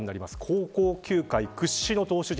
高校球界屈指の投手陣。